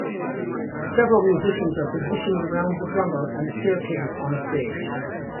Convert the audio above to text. Several musicians are positioned around the drummer and the staircase on a stage